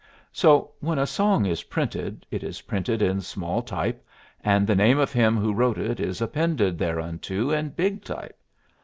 "So when a song is printed it is printed in small type, and the name of him who wrote it is appended thereunto in big type.